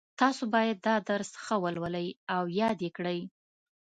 تاسو باید دا درس ښه ولولئ او یاد یې کړئ